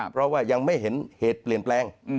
เพราะว่ายังไม่เห็นเหตุเปลี่ยนแปลง